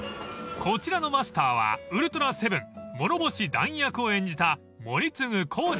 ［こちらのマスターは『ウルトラセブン』モロボシ・ダン役を演じた］